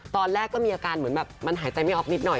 ตอนแรกก็มีอาการเหมือนแบบมันหายใจไม่ออกนิดหน่อย